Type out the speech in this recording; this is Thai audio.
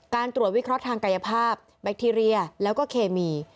การตรวจวิเคราะห์ทางกายภาพแบคทีเรียแล้วก็เคมี